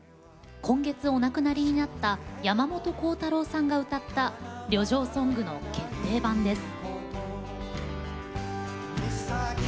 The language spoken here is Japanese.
今月お亡くなりになった山本コウタローさんが歌った旅情ソングの決定版です。